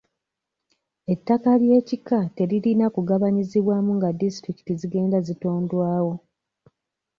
Ettaka ly'ekika teririna kugabanyizibwamu nga disitulikiti zigenda zitondwawo.